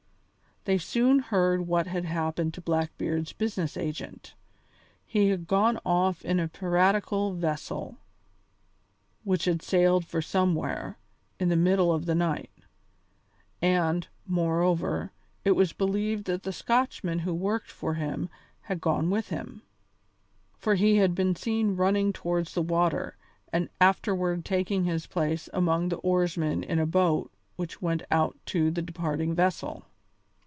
They soon heard what had happened to Blackbeard's business agent. He had gone off in a piratical vessel, which had sailed for somewhere, in the middle of the night; and, moreover, it was believed that the Scotchman who worked for him had gone with him, for he had been seen running towards the water, and afterward taking his place among the oarsmen in a boat which went out to the departing vessel.